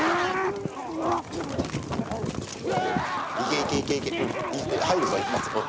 いけいけいけいけ入るぞ、一発。